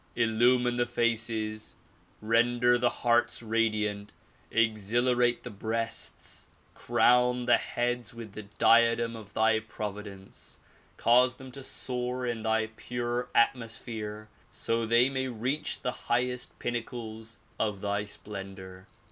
illumine the faces, render the hearts radiant, exhilarate the breasts, crown the heads with the diadem of thy providence, cause them to soar in thy pure atmosphere so they may reach the highest pinnacles of thy splendor.